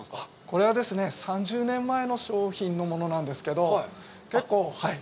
これは、３０年前の商品のものなんですけど、結構。